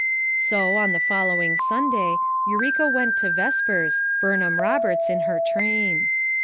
So, on the following Sunday, Eureka went to vespers, Burnham Roberts in her train.